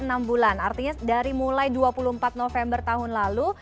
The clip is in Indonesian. enam bulan artinya dari mulai dua puluh empat november tahun lalu